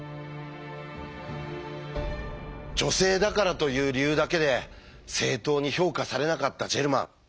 「女性だから」という理由だけで正当に評価されなかったジェルマン。